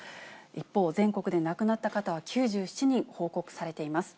一方、全国で亡くなった方は９７人報告されています。